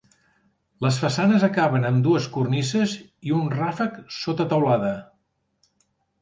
Les façanes acaben amb dues cornises i un ràfec sota teulada.